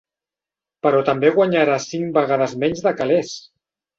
Però també guanyarà cinc vegades menys de calés!